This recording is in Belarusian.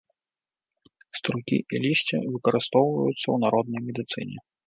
Струкі і лісце выкарыстоўваюцца ў народнай медыцыне.